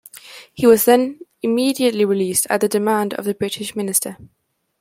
He was then immediately released at the demand of the British minister.